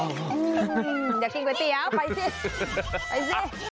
อยากกินก๋วยเตี๋ยวไปสิไปสิ